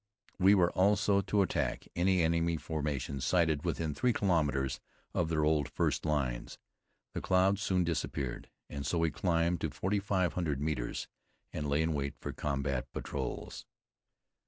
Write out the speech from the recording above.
We were also to attack any enemy formations sighted within three kilometres of their old first lines. The clouds soon disappeared and so we climbed to forty five hundred metres and lay in wait for combat patrols.